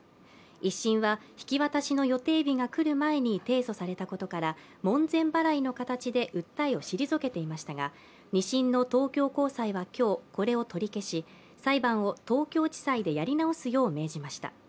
１審は、引き渡しの予定日が来る前に提訴されたことから門前払いの形で訴えを退けていましたが、２審の東京高裁は今日、これを取り消し、裁判を東京地裁でやり直すよう命じました。